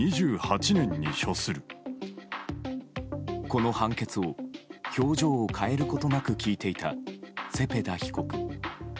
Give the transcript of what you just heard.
この判決を表情を変えることなく聞いていたセペダ被告。